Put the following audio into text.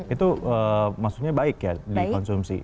itu maksudnya baik ya dikonsumsi